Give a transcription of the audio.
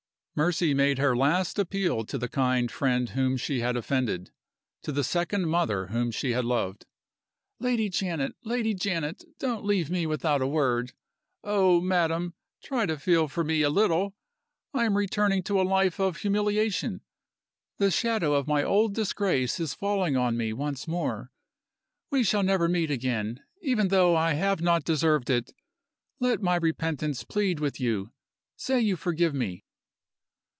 Mercy made her last appeal to the kind friend whom she had offended to the second mother whom she had loved. "Lady Janet! Lady Janet! Don't leave me without a word. Oh, madam, try to feel for me a little! I am returning to a life of humiliation the shadow of my old disgrace is falling on me once more. We shall never meet again. Even though I have not deserved it, let my repentance plead with you! Say you forgive me!"